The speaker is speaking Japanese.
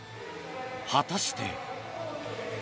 果たして。